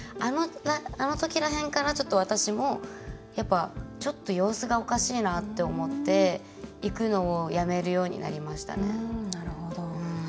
あの時ら辺から、私もちょっと様子がおかしいなって思って、行くのをやめるようになりましたね。